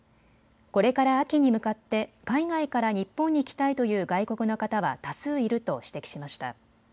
これから秋に向かって海外から日本に来たいという外国の方は多数いると指摘しました。